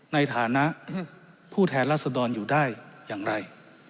ในฐานะผู้แทนรัศดรอยู่ได้อย่างไร